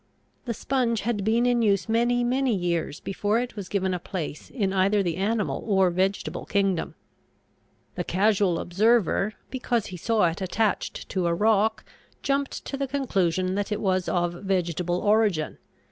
The sponge had been in use many, many years before it was given a place in either the animal or vegetable kingdom. The casual observer, because he saw it attached to a rock, jumped to the conclusion that it was of vegetable origin.